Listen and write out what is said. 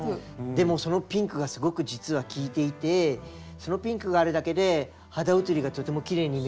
でもそのピンクがすごく実は効いていてそのピンクがあるだけで肌映りがとてもきれいに見える